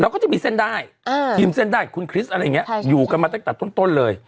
ก็จะมีเส้นได้ทีมเส้นได้คุณคริสต์อะไรอย่างนี้อยู่กันมาตั้งแต่ต้นเลย